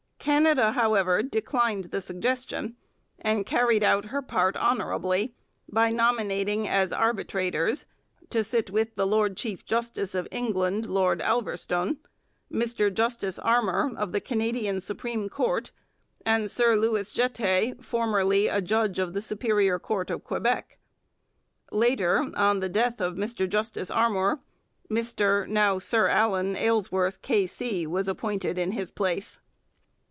Canada, however, declined the suggestion, and carried out her part honourably by nominating as arbitrators, to sit with the lord chief justice of England, Lord Alverstone, Mr Justice Armour of the Canadian Supreme Court, and Sir Louis Jetté, formerly a judge of the Superior Court of Quebec. Later, on the death of Mr Justice Armour, Mr (now Sir Allen) Aylesworth, K.C., was appointed in his place.